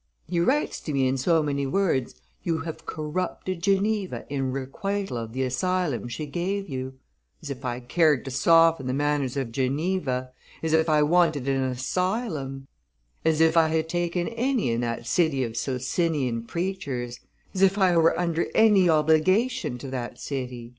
He writes to me in so many words, 'You have corrupted Geneva in requital of the asylum she gave you;' as if I cared to soften the manners of Geneva, as if I wanted an asylum, as if I had taken any in that city of Socinian preachers, as if I were under any obligation to that city!"